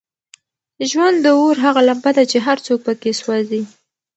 ژوند د اور هغه لمبه ده چې هر څوک پکې سوزي.